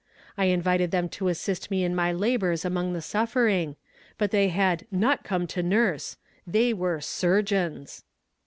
I invited them to assist me in my labors among the suffering, but they had 'not come to nurse' they were 'surgeons.'